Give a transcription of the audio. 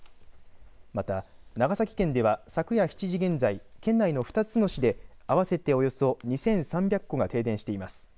また、長崎県では昨夜７時現在県内の２つの市で合わせておよそ２３００戸が停電しています。